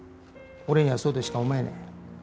俺にはそうとしか思えねえ。